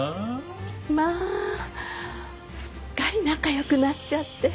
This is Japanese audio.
まあすっかり仲良くなっちゃって。